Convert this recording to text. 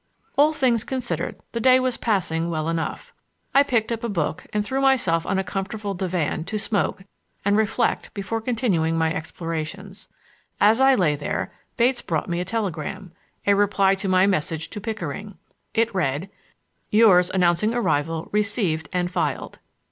All things considered, the day was passing well enough. I picked up a book, and threw myself on a comfortable divan to smoke and reflect before continuing my explorations. As I lay there, Bates brought me a telegram, a reply to my message to Pickering. It read: "Yours announcing arrival received and filed."